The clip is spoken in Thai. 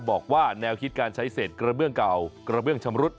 บอกว่าแนวคิดการใช้เศษกระเบื้องเก่ากระเบื้องชำรุด